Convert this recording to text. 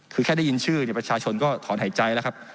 คือแค่ได้ยินชื่อประชาชนก็ถอนหายใจแล้วครับ